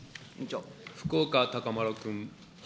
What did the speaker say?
福岡資麿君。